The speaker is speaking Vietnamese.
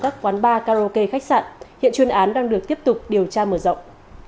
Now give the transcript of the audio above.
các quán bar karaoke khách sạn hiện chuyên án đang được tiếp tục điều tra mở rộng